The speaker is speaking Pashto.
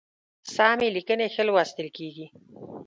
سمي لیکنی ښی لوستل کیږي